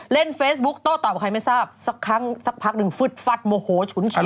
เล่นเฟซบุ๊กต้อตอบใครไม่ทราบสักพักหนึ่งฟึดฟัดโมโหฉุนเฉียว